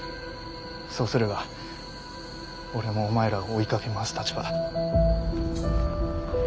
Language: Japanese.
そうすれば俺もお前らを追いかけ回す立場だ。